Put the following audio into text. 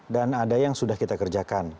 ada yang sudah kita kerjakan